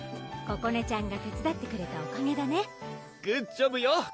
ここねちゃんが手伝ってくれたおかげだねグッジョブよ